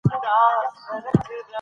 لږ لږ ليکل مې شروع کړي دي